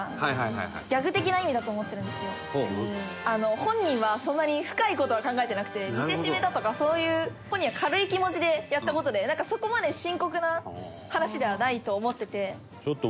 本人はそんなに深い事は考えてなくて見せしめだとかそういう本人は軽い気持ちでやった事でそこまで深刻な話ではないと思ってて。